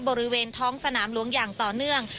บริเวณท้องสนามหลวงอย่างต่อเนื่อง